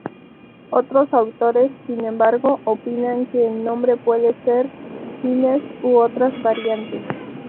Otros autores, sin embargo, opinan que el nombre puede ser Sines u otras variantes.